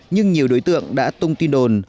nhưng nhiều đối tượng đã tung tin đồn